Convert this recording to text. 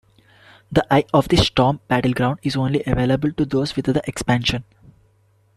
The Eye of the Storm battleground is only available to those with the expansion.